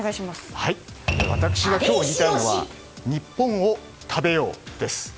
私が今日言いたいのはニッポンを食べようです。